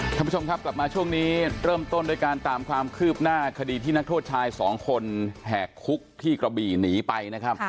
ท่านผู้ชมครับกลับมาช่วงนี้เริ่มต้นด้วยการตามความคืบหน้าคดีที่นักโทษชายสองคนแหกคุกที่กระบี่หนีไปนะครับ